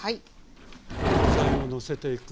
こうやって具材をのせていく。